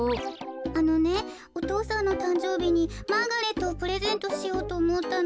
あのねお父さんのたんじょうびにマーガレットをプレゼントしようとおもったの。